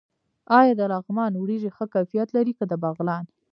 آیا د لغمان وریجې ښه کیفیت لري که د بغلان؟